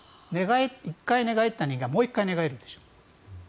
１回寝返った人間はもう１回寝返るでしょ。